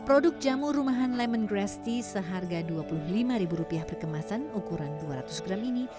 produk jamu rumahan lemongrass tea seharga dua puluh lima ribu rupiah per kemasan ukuran dua ratus gram ini